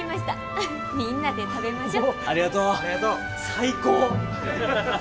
最高！